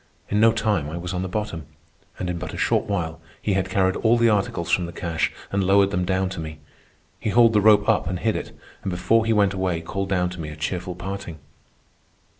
In no time I was on the bottom. And in but a short while he had carried all the articles from the cache and lowered them down to me. He hauled the rope up and hid it, and before he went away called down to me a cheerful parting.